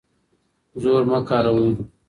زور مه کاروئ.